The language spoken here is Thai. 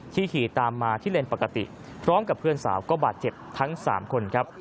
ขี่ตามมาที่เลนส์ปกติพร้อมกับเพื่อนสาวก็บาดเจ็บทั้ง๓คนครับ